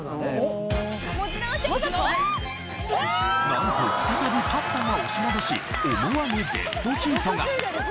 なんと再びパスタが押し戻し思わぬデッドヒートが。